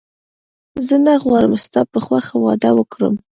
زه نه غواړم ستا په خوښه واده وکړم